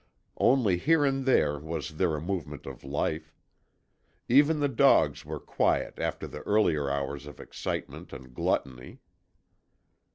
Only here and there was there a movement of life. Even the dogs were quiet after the earlier hours of excitement and gluttony.